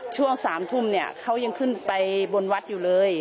ช่วง๓ทุ่มเนี่ยเขายังขึ้นไปบนวัดอยู่เลย